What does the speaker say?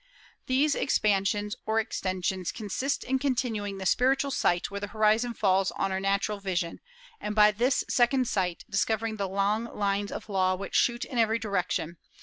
These expansions, or extensions, consist in continuing the spiritual sight where the horizon falls on our natural vision, and by this second sight discovering the long lines of law which shoot in every direction....